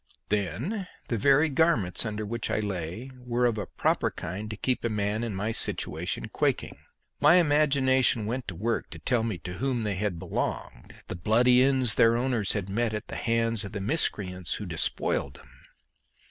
Then the very garments under which I lay were of a proper kind to keep a man in my situation quaking. My imagination went to work to tell me to whom they had belonged, the bloody ends their owners had met at the hands of the miscreants who despoiled them.